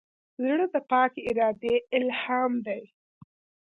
زړه د پاک ارادې الهام دی.